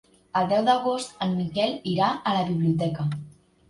El deu d'agost en Miquel irà a la biblioteca.